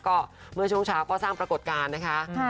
ก็เมื่อช่วงเช้าก็สร้างปรากฏการณ์นะคะ